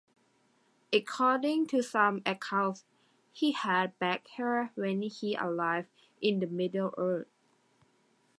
According to some accounts, he had black hair when he arrived in the Middle Earth.